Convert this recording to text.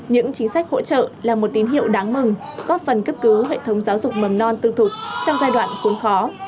những chính sách hỗ trợ là một tín hiệu đáng mừng góp phần cấp cứu hệ thống giáo dục mầm non tư thục trong giai đoạn khốn khó